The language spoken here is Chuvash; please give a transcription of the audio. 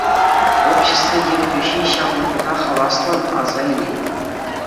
Общество ертӳҫи ҫав вӑхӑта хаваслӑн аса илет.